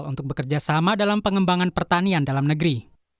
untuk bekerjasama dalam pengembangan pertanian dalam negeri